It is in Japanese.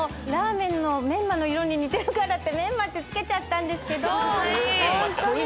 ラーメンのメンマの色に似てるからってめんまって付けちゃったんですけど。